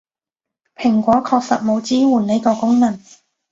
蘋果確實冇支援呢個功能